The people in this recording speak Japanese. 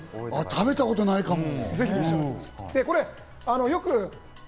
食べたことないかも。